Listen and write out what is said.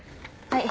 はい。